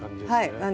はい。